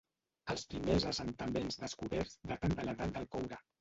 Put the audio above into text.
Els primers assentaments descoberts daten de l'edat del coure.